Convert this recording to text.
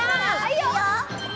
いいよ！